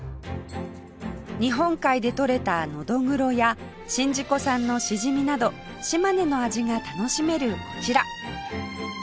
日本海でとれたのどぐろや宍道湖産のシジミなど島根の味が楽しめるこちら